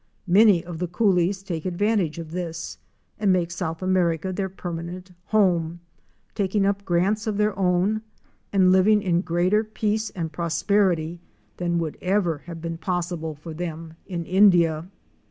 Many of the coolies take advantage of this and make South America their permanent home, taking up grants of their own and living in greater peace and prosperity than would ever have been possible for them in India.